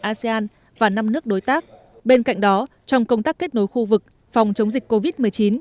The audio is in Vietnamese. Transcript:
asean và năm nước đối tác bên cạnh đó trong công tác kết nối khu vực phòng chống dịch covid một mươi chín